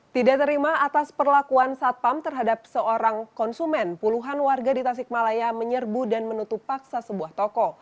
tidak terima atas perlakuan satpam terhadap seorang konsumen puluhan warga di tasikmalaya menyerbu dan menutup paksa sebuah toko